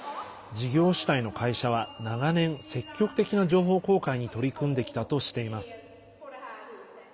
事業主体の会社は長年積極的な情報公開に取り組んできたとしています。